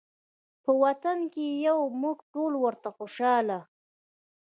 په وطن کې یو موږ ټول ورته خوشحاله